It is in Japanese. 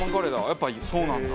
やっぱりそうなんだ。